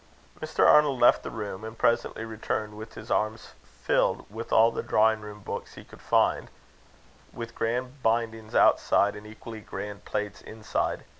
Mr. Arnold left the room, and presently returned with his arms filled with all the drawing room books he could find, with grand bindings outside, and equally grand plates inside.